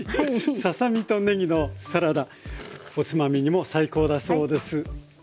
ささ身とねぎのサラダおつまみにも最高だそうです。